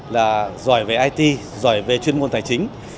là giỏi về it giỏi về chuyên môn tài chính